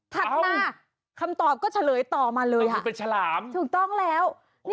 ถัดมาคำตอบก็เฉลยต่อมาเลยค่ะถูกต้องแล้ว